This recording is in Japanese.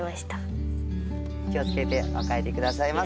気を付けてお帰り下さいませ。